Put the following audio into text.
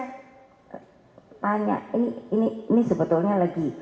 tanya ini sebetulnya lagi